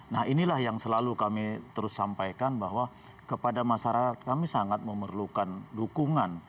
nah inilah yang selalu kami terus sampaikan bahwa kepada masyarakat kami sangat memerlukan dukungan